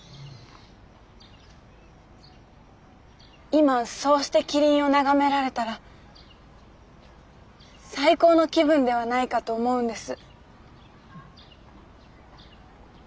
今そうしてキリンを眺められたら最高の気分ではないかと思うんです。